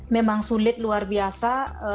memang sulit luar biasa